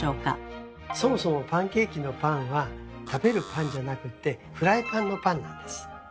そもそもパンケーキの「パン」は食べるパンじゃなくてフライパンの「パン」なんです。